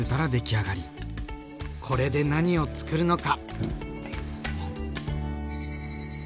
これで何をつくるのか！